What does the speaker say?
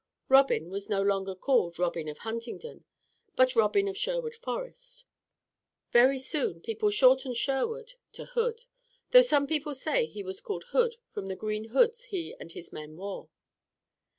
Robin was no longer called Robin of Huntingdon, but Robin of Sherwood Forest. Very soon people shortened Sherwood into Hood, though some people say he was called Hood from the green hoods he and his men wore.